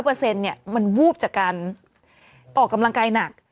แอร์๑๐๐เนี่ยมันวูบจากการออกกำลังกายหนัก